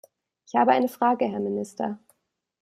Ich habe eine Frage, Herr Minister!